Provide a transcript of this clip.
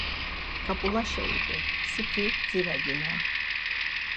K̆ap̌ulaşa idi, siti dziraginon.